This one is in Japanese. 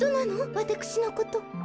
わたくしのこと。